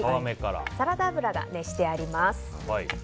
サラダ油が熱してあります。